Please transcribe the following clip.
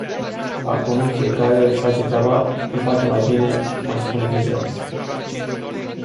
Acum fiecare, își face treaba cum poate mai bine mai spune frizerul.